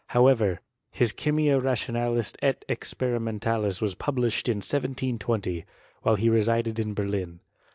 However, his Chymia rationalis et experimentalis was published in 1720, while he re sided in Berlin.